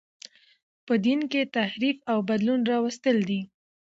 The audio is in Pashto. په دین کښي تحریف او بدلون راوستل دي.